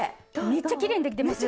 めっちゃきれいにできてます！